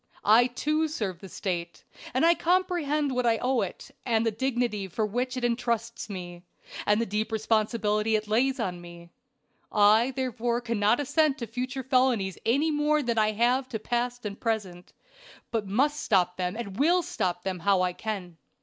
I, too, serve the State, and I comprehend what I owe it, and the dignity with which it intrusts me, and the deep responsibility it lays on me. I therefore cannot assent to future felonies any more than I have to past and present, but must stop them, and will stop them how I can.